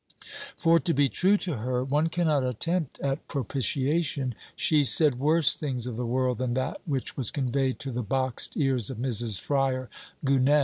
For to be true to her, one cannot attempt at propitiation. She said worse things of the world than that which was conveyed to the boxed ears of Mrs. Fryar Gunnett.